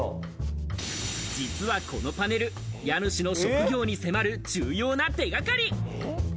実はこのパネル、家主の職業に迫る重要な手掛かり。